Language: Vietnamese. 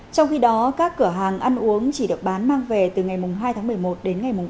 trong khi đó các cửa hàng ăn uống chỉ được bán mang về từ ngày hai một mươi một đến ngày bảy một mươi một